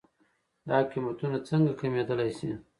دا قيمتونه څنکه کمېدلی شي؟